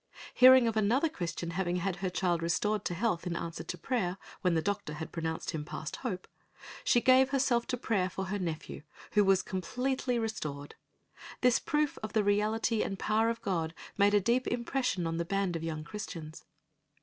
Hearing of another Christian having had her child restored to health in answer to prayer when the doctor had pronounced him past hope, she gave herself to prayer for her nephew who was completely restored. This proof of the reality and power of God made a deep impression on the band of young Christians.